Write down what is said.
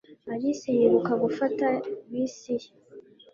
Alice yiruka gufata bisi ye. .